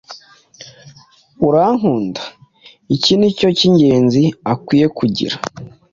urankuda?” iki ni cyo cy’ingenzi akwiye kugira.